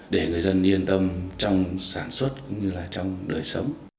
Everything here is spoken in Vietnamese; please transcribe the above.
để người dân yên tâm trong sản xuất cũng như là trong đời sống